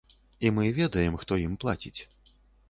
І мы ведаем, хто ім плаціць.